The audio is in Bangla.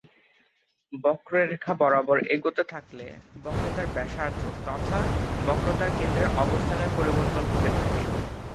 বক্ররেখা বরাবর এগোতে থাকলে বক্রতার ব্যাসার্ধ তথা বক্রতার কেন্দ্রের অবস্থানের পরিবর্তন হতে থাকে।